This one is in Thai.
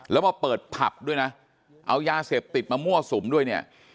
แล้วมาเปิดผับด้วยนะเอายาเสพติดมามั่วสุมด้วยเนี่ย